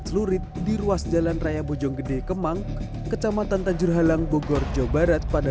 celurit di ruas jalan raya bojonggede kemang kecamatan tanjurhalang bogor jawa barat pada